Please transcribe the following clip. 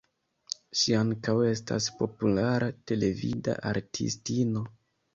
Ŝi ankaŭ estas populara televida artistino.